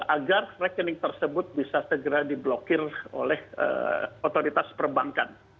agar rekening tersebut bisa segera diblokir oleh otoritas perbankan